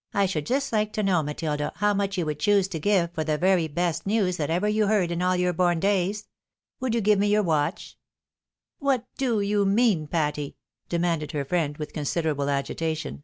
" I should just like to know, Matilda, how much you would choose to give for the very best news that ever you heard in all your born days ? Would you give me your watch?" "What do you mean, Patty?" demanded her friend with considerable agitation.